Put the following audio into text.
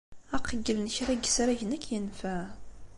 Aqeyyel n kra n yisragen ad k-yenfeɛ.